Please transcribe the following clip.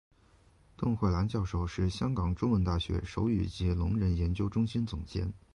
邓慧兰教授是香港中文大学手语及聋人研究中心总监。